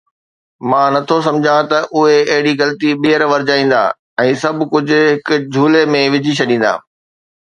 مان نه ٿو سمجهان ته اهي اهڙي غلطي ٻيهر ورجائيندا ۽ سڀ ڪجهه هڪ جھولي ۾ وجهي ڇڏيندا.